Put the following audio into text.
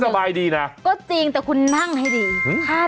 มันก็สบายดีนะ